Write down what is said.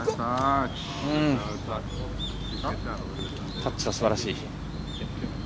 タッチはすばらしい。